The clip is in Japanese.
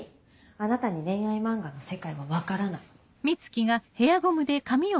あなたに恋愛漫画の世界は分からない。